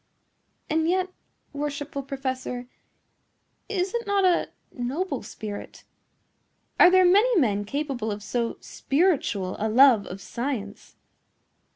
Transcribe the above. "And yet, worshipful professor, is it not a noble spirit? Are there many men capable of so spiritual a love of science?"